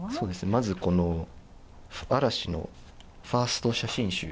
まず嵐のファースト写真集。